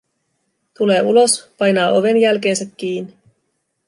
Tulee ulos, painaa oven jälkeensä kiinni.